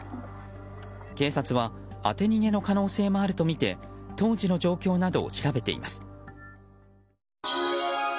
警察は当て逃げの可能性もあるとみて当時の状況などを調べています。